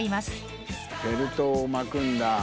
フェルトを巻くんだ？